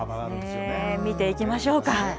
見ていきましょうか。